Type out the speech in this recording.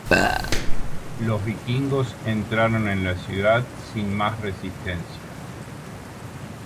Los vikingos entraron en la ciudad sin más resistencia.